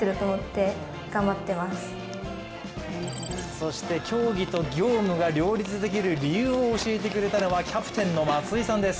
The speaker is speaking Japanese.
そして競技と業務が両立できる理由を教えてくれたのはキャプテンの松井さんです。